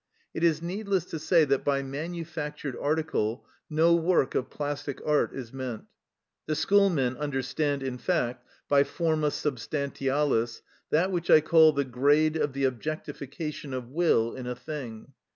It is needless to say that by manufactured article no work of plastic art is meant. The schoolmen understand, in fact, by forma substantialis that which I call the grade of the objectification of will in a thing.